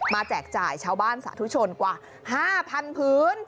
แจกจ่ายชาวบ้านสาธุชนกว่า๕๐๐๐พื้น